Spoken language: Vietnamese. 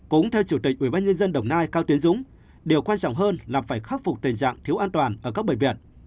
cũng theo chủ tịch ủy ban nhân dân đồng nai cao tiến dũng điều quan trọng hơn là phải khắc phục tình trạng thiếu an toàn ở các bệnh viện